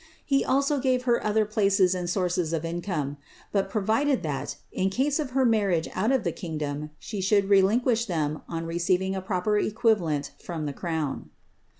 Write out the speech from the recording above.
He also gave her other places and sources of incoine; but provided tliat, in case of her marriage out of the kingdom, she should relinquish them on receiving a proper equivalent from the crown.'